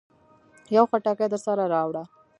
يو خټکی درسره راوړه.